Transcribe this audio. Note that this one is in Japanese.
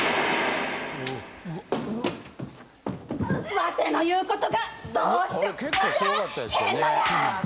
「わての言うことがどうして分からへんのや！」